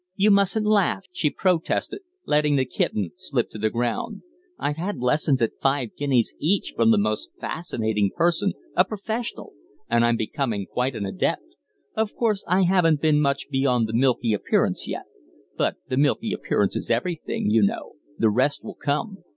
"You mustn't laugh!" she protested, letting the kitten slip to the ground. "I've had lessons at five guineas each from the most fascinating person a professional; and I'm becoming quite an adept. Of course I haven't been much beyond the milky appearance yet, but the milky appearance is everything, you know; the rest will come.